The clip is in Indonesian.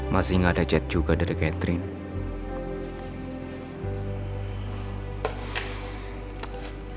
masih gak ada jet juga dari catherine